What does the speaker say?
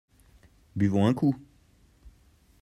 Buvons un coup.